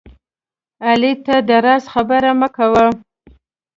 علي ته د راز خبره مه کوه